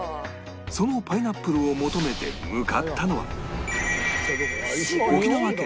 そのパイナップルを求めて向かったのは